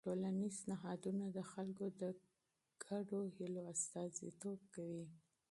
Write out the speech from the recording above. ټولنیز نهادونه د خلکو د ګډو هيلو استازیتوب کوي.